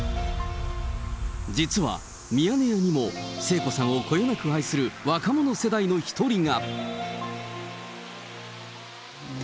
実はミヤネ屋にも聖子さんをこよなく愛する若者世代の一人が。